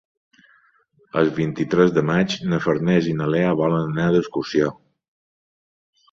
El vint-i-tres de maig na Farners i na Lea volen anar d'excursió.